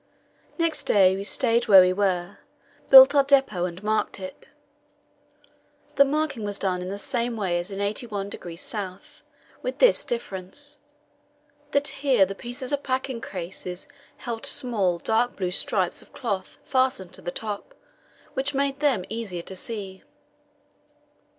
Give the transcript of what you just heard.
Next day we stayed where we were, built our depot, and marked it. The marking was done in the same way as in 81° S., with this difference, that here the pieces of packing case had small, dark blue strips of cloth fastened to the top, which made them easier to see.